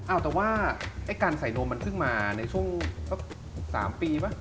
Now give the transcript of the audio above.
เอาแต่ว่าไอ้การใส่นมมันเพิ่งมาในช่วงสัก๓ปีป่ะ